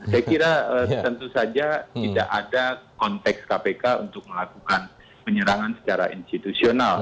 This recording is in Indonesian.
saya kira tentu saja tidak ada konteks kpk untuk melakukan penyerangan secara institusional